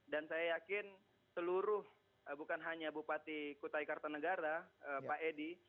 dan saya yakin seluruh bukan hanya bupati kutai kartanegara pak edi